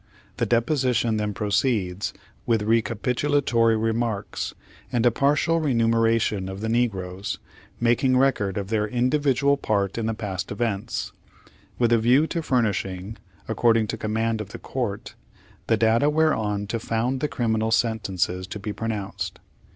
The deposition then proceeds with recapitulatory remarks, and a partial renumeration of the negroes, making record of their individual part in the past events, with a view to furnishing, according to command of the court, the data whereon to found the criminal sentences to be pronounced.